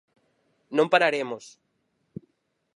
Non pararemos.